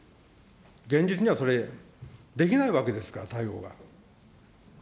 現実にはそれ、できないわけですから、対応が。